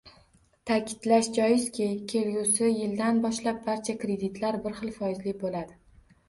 Ta'kidlash joizki, kelgusi yildan boshlab barcha kreditlar bir xil foizli bo'ladi